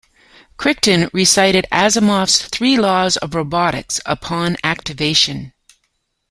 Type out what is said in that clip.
Crichton recited Asimov's "Three Laws of Robotics" upon activation.